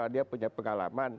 dia punya pengalaman